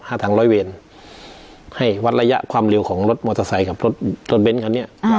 ทางร้อยเวรให้วัดระยะความเร็วของรถมอเตอร์ไซค์กับรถยนต์เน้นคันนี้อ่า